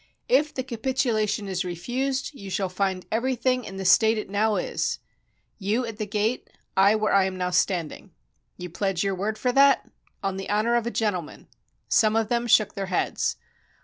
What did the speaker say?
" "If the capitulation is refused, you shall find every thing in the state it now is, — you at the gate, I where I am now standing." "You pledge your word for that?" "On the honor of a gentleman." Some of them shook their heads.